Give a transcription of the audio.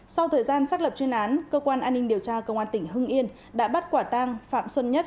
sau thời gian xác lập chuyên án cơ quan an ninh điều tra công an tỉnh hưng yên đã bắt quả tang phạm xuân nhất